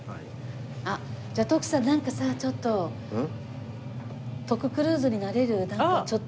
あっじゃあ徳さんなんかさちょっと徳クルーズになれるなんかちょっと。